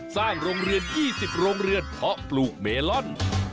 สร้างโรงเรือน๒๐โรงเรือนเพาะปลูกเมลอน